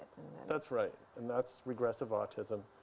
pada saat itu diagnosis otisme